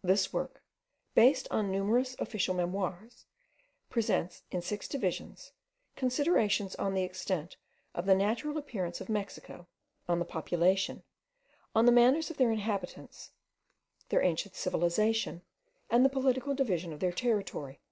This work, based on numerous official memoirs, presents, in six divisions, considerations on the extent and natural appearance of Mexico, on the population, on the manners of the inhabitants, their ancient civilization, and the political division of their territory.